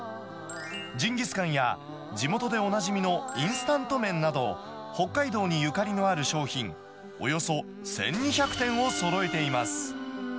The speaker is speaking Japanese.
ジンギスカンや地元でおなじみのインスタント麺など、北海道にゆかりのある商品、およそ１２００点をそろえています。